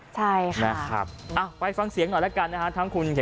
ใช่ค่ะ